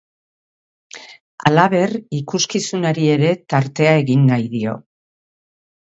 Halaber, ikuskizunari ere tartea egin nahi dio.